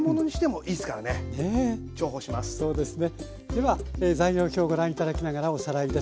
では材料表ご覧頂きながらおさらいです。